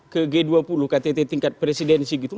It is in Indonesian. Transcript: ke g dua puluh ktt tingkat presidensi gitu